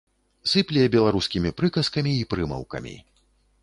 Сыпле беларускімі прыказкамі й прымаўкамі.